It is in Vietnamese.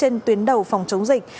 trên tuyến đầu phòng chống dịch